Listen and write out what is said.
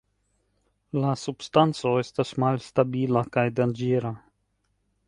La substanco estas malstabila kaj danĝera.